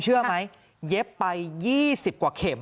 เชื่อไหมเย็บไป๒๐กว่าเข็ม